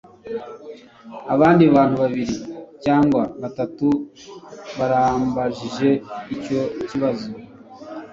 Abandi bantu babiri cyangwa batatu barambajije icyo kibazo